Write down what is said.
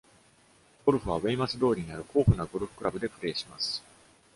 ゴルフはウェイマス通りにある、コーフナゴルフクラブでプレイします。